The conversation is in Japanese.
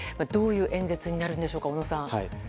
どういう演説になるんでしょうか小野さん。